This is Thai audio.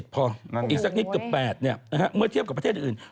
๗๗พออีกสักนิดกว่า๘เนี่ยนะฮะเมื่อเทียบกับประเทศอื่น